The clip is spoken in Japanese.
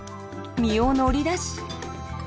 身を乗り出し。